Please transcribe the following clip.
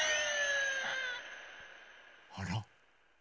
あら？